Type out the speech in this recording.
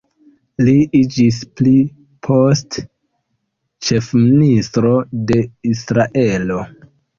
Li iĝis pli poste ĉefministro de Israelo.